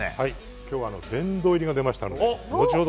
今日は殿堂入りが出ましたので後ほど